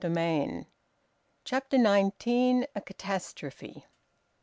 VOLUME TWO, CHAPTER NINETEEN. A CATASTROPHE.